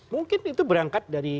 mungkin itu berangkat dari